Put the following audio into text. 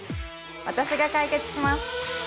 私が解決します